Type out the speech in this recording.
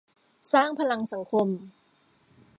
สร้างพลังสังคม